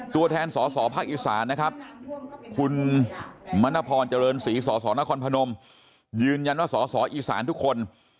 ตัวแทนสอสอภาคอีสานนะครับคุณมณพรเจริญศรีสสนครพนมยืนยันว่าสอสออีสานทุกคน